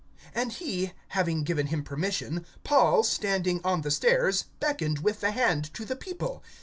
(40)And he having given him permission, Paul, standing on the stairs, beckoned with the hand to the people.